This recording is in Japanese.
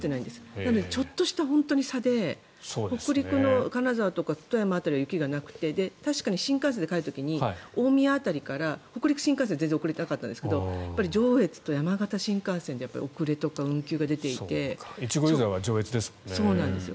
なので、ちょっとした差で北陸の金沢とか富山辺りは雪がなくて確かに新幹線で帰る時に大宮辺りから北陸新幹線は全然遅れていなかったんですが上越と山形新幹線で越後湯沢は上越ですよね。